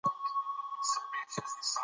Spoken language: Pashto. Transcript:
ملي یووالی د هیواد د پرمختګ لومړنی شرط دی.